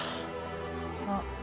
あっ。